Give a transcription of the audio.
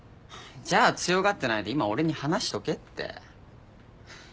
じゃあ強がってないで今俺に話しとけって。